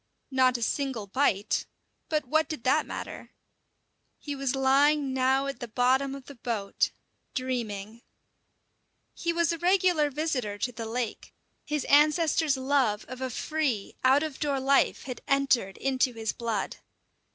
Not a single bite. But what did that matter? He was lying now at the bottom of the boat, dreaming. He was a regular visitor to the lake. His ancestors' love of a free, out of door life had entered into his blood.